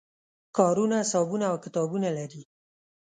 کارونه حسابونه او کتابونه لري.